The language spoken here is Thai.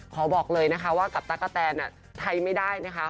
บอกเลยนะคะว่ากับตั๊กกะแตนไทยไม่ได้นะคะ